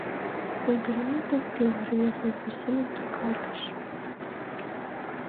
Ойгырымет ок кӱл, — рвезе Зосимым тӱкалтыш.